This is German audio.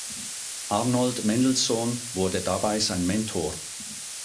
Arnold Mendelssohn wurde dabei sein Mentor.